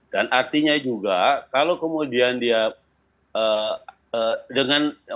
dan artinya juga kalau kemudian dia dengan